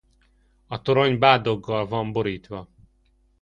A torony bádoggal van borítva.